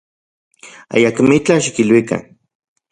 Ayakmitlaj xikiluikan.